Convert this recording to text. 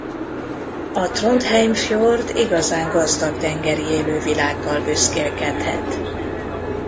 A Trondheim-fjord igazán gazdag tengeri élővilággal büszkélkedhet.